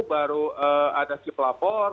baru ada si pelapor